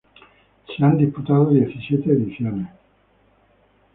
Se han disputado diecisiete ediciones.